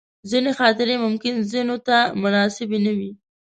ځینې خاطرې ممکن ځینو ته مناسبې نه وي.